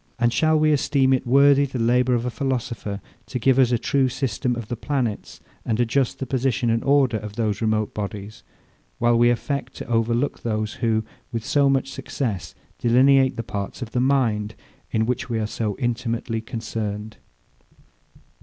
And shall we esteem it worthy the labour of a philosopher to give us a true system of the planets, and adjust the position and order of those remote bodies; while we affect to overlook those, who, with so much success, delineate the parts of the mind, in which we are so intimately concerned?